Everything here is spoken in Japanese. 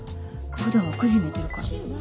ふだんは９時に寝てるから。